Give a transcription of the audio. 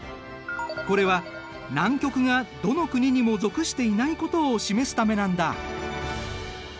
これは南極がどの国にも属していないことを示すためなんだ。